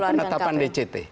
sk penetapan dct